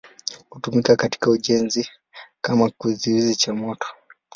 Hutumika katika ujenzi kama kizuizi cha moto.